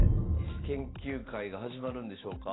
研究会が始まるんでしょうか？